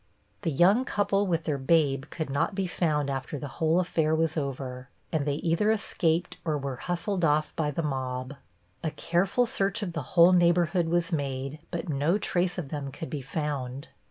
The young couple with their babe could not be found after the whole affair was over, and they either escaped or were hustled off by the mob. A careful search of the whole neighborhood was made, but no trace of them could be found.